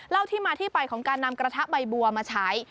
ที่มาที่ไปของการนำกระทะใบบัวมาใช้